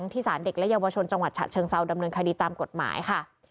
ที่สารเด็กและเยาวชนจังหวัดฉะเชิงเซาดำเนินคดีตามกฎหมายค่ะ